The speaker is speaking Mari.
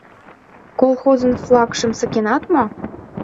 — Колхозын флагшым сакенат мо?